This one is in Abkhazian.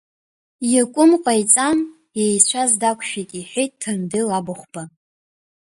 Иакәым ҟаиҵан, еицәаз дақәшәеит, — иҳәеит Ҭандел Абыхәба.